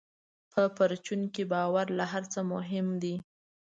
په پرچون کې باور له هر څه مهم دی.